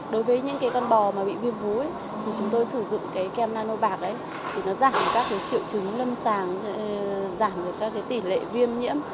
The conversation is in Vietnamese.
đối với những con bò bị viêm vú chúng tôi sử dụng kem nano bạc để giảm các triệu chứng lâm sàng giảm tỷ lệ viêm nhiễm